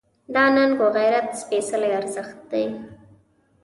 دا ننګ و غیرت سپېڅلی ارزښت دی.